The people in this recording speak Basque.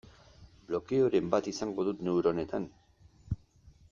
Blokeoren bat izango dut neuronetan.